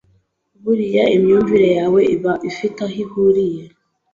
Buriya imyumvire yawe iba ifite aho ihuriye